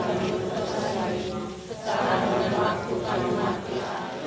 doakanlah untuk selalu